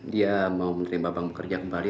dia mau menerima bangmu kerja kembali